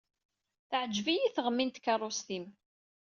Teɛǧeb-iyi teɣmi n tkeṛṛust-im.